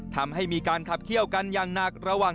ทำให้มีการขับเขี้ยวกันอย่างหนักระหว่าง